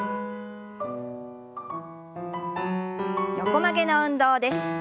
横曲げの運動です。